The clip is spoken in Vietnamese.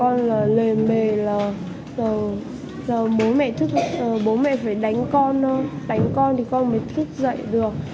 ở nhà con là lềm bề bố mẹ phải đánh con thôi đánh con thì con mới thức dậy được